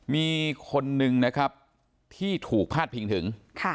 มีคนนึงนะครับที่ถูกพาดพิงถึง